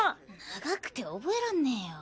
長くて覚えらんねえよ。